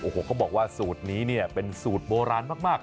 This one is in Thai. โฮเขาบอกว่าสูตรนี้เป็นสูตรโบราณมาก